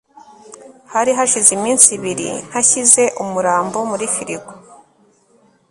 hari hashize iminsi ibiri ntashyize umurambo muri firigo